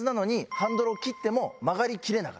ハンドルを切っても曲がりきれない。